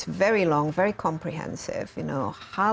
saya ingin mengatakan sangat panjang sangat memahami